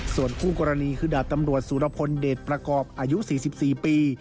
ส่วนคู่กรณีคือดาบตำรวจสุรพลเดชประกอบอายุ๔๔ปี